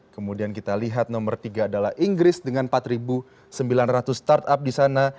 kemudian kita lihat nomor tiga adalah inggris dengan empat sembilan ratus startup di sana